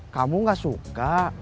kamu gak suka